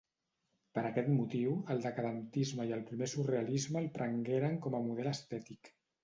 Per aquest motiu, el decadentisme i el primer surrealisme el prengueren com a model estètic.